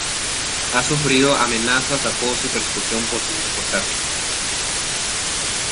Ha sufrido amenazas, acoso y persecución, por sus reportajes.